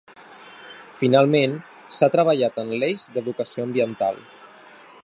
Finalment, s’ha treballat en l’eix d’educació ambiental.